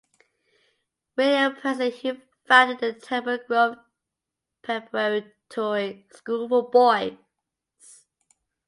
William Pearson who founded the Temple Grove Preparatory School for boys.